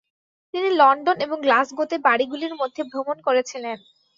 তিনি লন্ডন এবং গ্লাসগোতে বাড়িগুলির মধ্যে ভ্রমণ করেছিলেন।